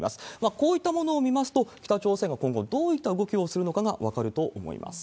こういったものを見ますと、北朝鮮が今後どういった動きをするのかが分かると思います。